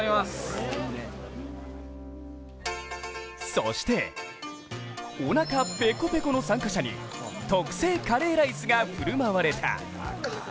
そして、おなかぺこぺこの参加者に特製カレーライスが振る舞われた。